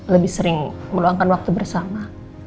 lebih sering meluangkan waktu bersama